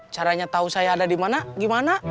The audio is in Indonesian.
caranya tau saya ada dimana gimana